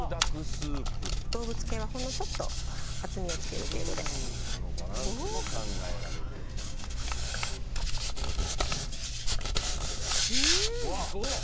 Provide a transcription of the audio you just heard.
スープ動物系はほんのちょっと厚みをつける程度でこのバランスも考えられてるとうんわっ！